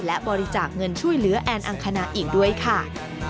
และบริจาคเงินช่วยเหลือแอนอังคณาอีกด้วยค่ะ